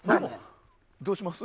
どうします？